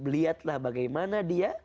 lihatlah bagaimana dia